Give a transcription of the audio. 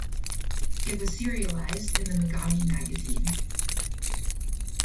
It was serialized in the Megami Magazine.